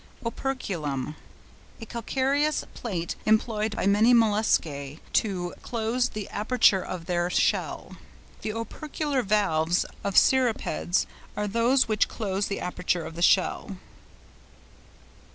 OPERCULUM.—A calcareous plate employed by many Molluscæ to close the aperture of their shell. The OPERCULAR VALVES of Cirripedes are those which close the aperture of the shell.